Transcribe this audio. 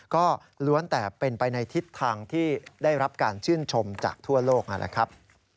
ก็ล้วนแต่เป็นไปในทิศทางที่ได้รับการชื่นชมจากทั่วโลกนั่นแหละครับ